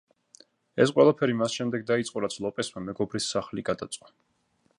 ეს ყველაფერი მას შემდეგ დაიწყო, რაც ლოპესმა მეგობრის სახლი გადაწვა.